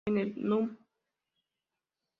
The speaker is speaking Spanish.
En el Núm.